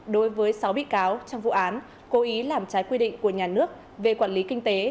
đối với sáu bị cáo trong vụ án cố ý làm trái quy định của nhà nước về quản lý kinh tế